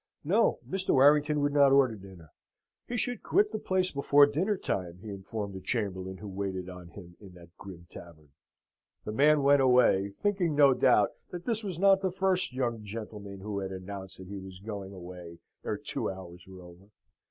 No. Mr. Warrington would not order dinner. He should quit the place before dinner time, he informed the chamberlain who waited on him in that grim tavern. The man went away, thinking no doubt that this was not the first young gentleman who had announced that he was going away ere two hours were over.